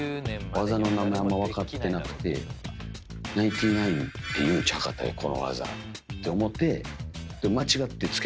技の名前あんま分かってなくてナインティナインっていうんちゃうかったっけ？